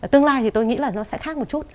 tương lai thì tôi nghĩ là nó sẽ khác một chút